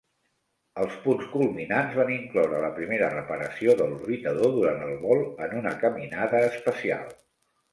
Els punts culminants van incloure la primera reparació de l'orbitador durant el vol, en una caminada espacial.